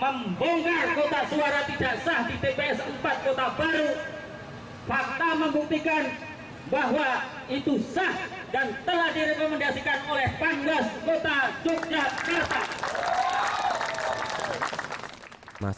fakta membuktikan bahwa itu sah dan telah direkomendasikan oleh panggas kota yogyakarta